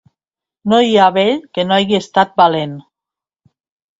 No hi ha vell que no hagi estat valent.